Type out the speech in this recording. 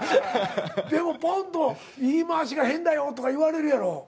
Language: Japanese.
でもぽんと言い回しが変だよとか言われるやろ？